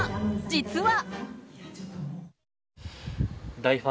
実は。